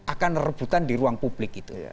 akan rebutan di ruang publik itu